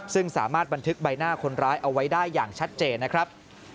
ซึ่งสามารถบันทึกใบหน้าคนร้ายเอาไว้ได้อย่างชัดเจนนะครับ